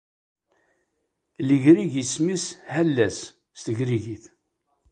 Legrig isem-nnes Hellas s tegrigit.